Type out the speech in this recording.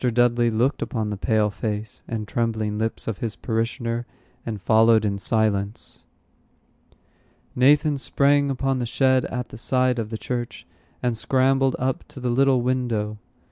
Dudley looked upon the pale face and trembling lips of his parishioner, and followed in silence. Nathan sprang upon the shed at the side of the church, and scrambled up to the little window. Mr.